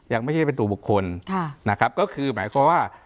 ยังไม่ใช่เป็นตัวบุคคลนะครับก็คือหมายความว่า